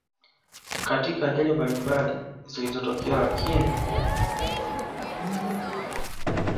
Katika ajali mbalumbali zilizo wakabili Lakini